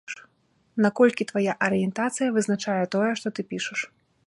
Наколькі твая арыентацыя вызначае тое, што ты пішаш?